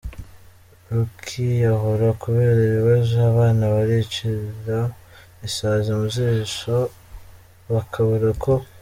rukiyahura kubera ibibazo; abana baricira isazi mu zisho bakabura uko